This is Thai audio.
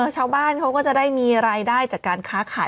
ชาวบ้านเขาก็จะได้มีรายได้จากการค้าขาย